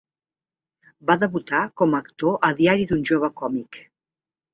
Va debutar com a actor a "Diari d'un jove còmic".